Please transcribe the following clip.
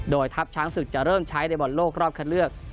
โดยทัพช้างศึกจะเริ่มใช้ในบอลโลกรอบคัดเลือก